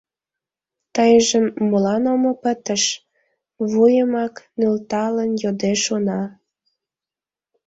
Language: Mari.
— Тыйжын молан омо пытыш? — вуйымак нӧлталын йодеш уна.